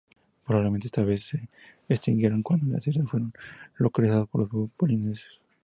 Probablemente estas aves se extinguieron cuando las islas fueron colonizadas por los pueblos polinesios.